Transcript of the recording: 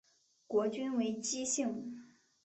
国君为姬姓。